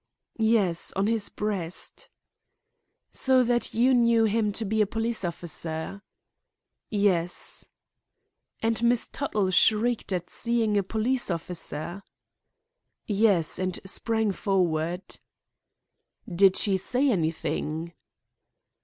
"Yes, on his breast." "So that you knew him to be a police officer?" "Yes." "And Miss Tuttle shrieked at seeing a police officer?" "Yes, and sprang forward." "Did she say anything?"